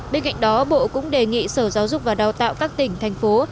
bên cạnh đó bộ cũng đề nghị sở giáo dục và đào tạo các tỉnh thành phố